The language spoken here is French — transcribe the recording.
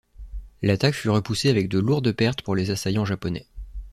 L'attaque fut repoussée avec de lourdes pertes pour les assaillants japonais.